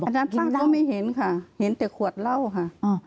ป้าก็ไม่เห็นค่ะเห็นแต่ขวดเหล้าค่ะ